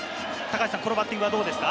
このバッティングはどうですか？